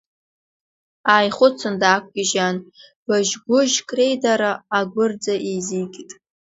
Ааихәыцын, даақәгьежьаан, быжь-гәыжьк реидара агәыр-ӡа еизигеит.